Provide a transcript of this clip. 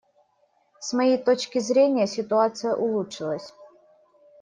С моей точки зрения, ситуация улучшилась.